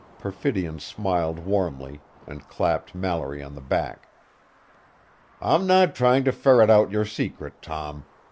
Perfidion smiled warmly, and clapped Mallory on the back. "I'm not trying to ferret out your secret, Tom.